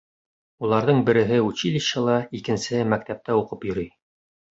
Уларҙың береһе — училищела, икенсеһе мәктәптә уҡып йөрөй.